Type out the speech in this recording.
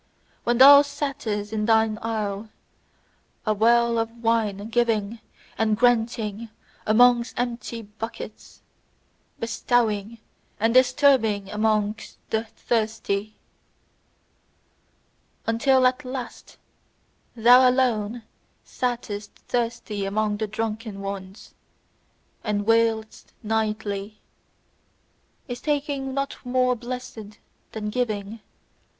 When thou sattest in thine isle, a well of wine giving and granting amongst empty buckets, bestowing and distributing amongst the thirsty: Until at last thou alone sattest thirsty amongst the drunken ones, and wailedst nightly: 'Is taking not more blessed than giving?